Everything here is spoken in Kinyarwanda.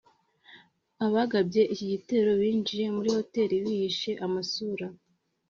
Abagabye iki gitero binjiye muri hotel bihishe amasura